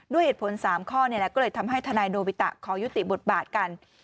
ด้วยเหตุผล๓ข้อก็เลยทำให้ทนายโนบิตะขอยุติบทบาทกัน